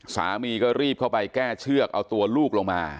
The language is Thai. สามีก็รีบเข้าไปแก้เชือกเอาตัวลูกลงมา